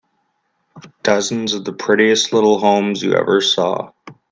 Dozens of the prettiest little homes you ever saw.